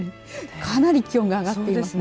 かなり気温が上がっていますね。